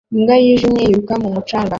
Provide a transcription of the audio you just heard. Imbwa yijimye yiruka mu mucanga